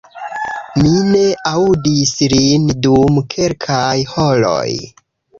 Mi ne aŭdis lin dum kelkaj horoj